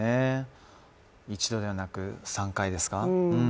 １度ではなく３回ですか。